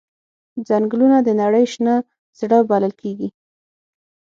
ځنګلونه د نړۍ شنه زړه بلل کېږي.